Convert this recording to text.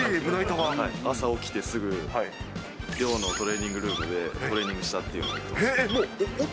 朝起きてすぐ、寮のトレーニングルームでトレーニングしたというのを。